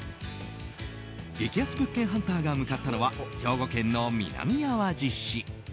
激安物件ハンターが向かったのは兵庫県の南あわじ市。